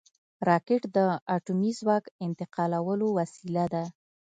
راکټ د اټومي ځواک انتقالولو وسیله ده